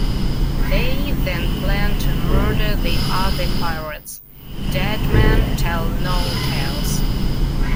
They then plan to murder the other pirates: Dead men tell no tales.